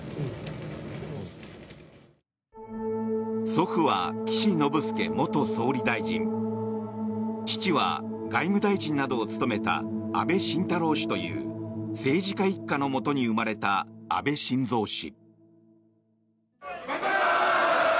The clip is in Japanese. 祖父は岸信介元総理大臣父は外務大臣などを務めた安倍晋太郎氏という政治家一家のもとに生まれた安倍晋三氏。